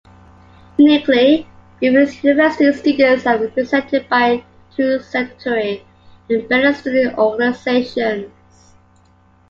Uniquely, Griffith University students are represented by two statutory embedded student organisations.